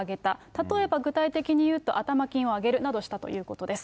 例えば具体的に言うと、頭金を上げるなどしたということです。